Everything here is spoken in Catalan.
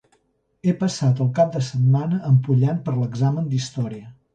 He passat el cap de setmana empollant per a l'examen d'història.